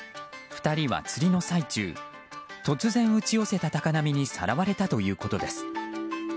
２人は釣りの最中突然打ち寄せた高波にさらわれたということです。